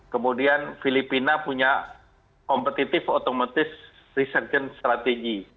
kemudian filipina punya kompetitif otomatis reserchen strategi